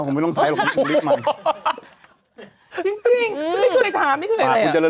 แดงยังตลอดเวลา